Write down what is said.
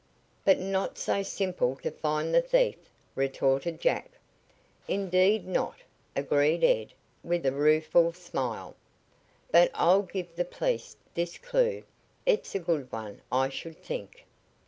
"But not so simple to find the thief," retorted Jack. "Indeed not," agreed Ed with a rueful smile. "But I'll give the police this clue. It's a good one, I should think."